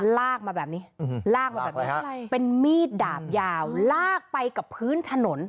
ลากมาแบบนี้เป็นมีดดาบยาวลากไปกับพื้นถนน